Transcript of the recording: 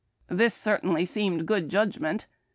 This certainly seemed good judg ment.